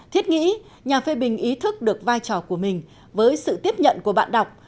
thiết nghĩ nhà phê bình ý thức được vai trò của mình với sự tiếp nhận của bạn đọc